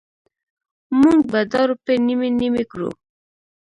مونږ به دا روپۍ نیمې نیمې کړو.